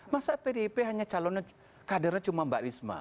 masa pdip hanya calon kadernya cuma mbak risma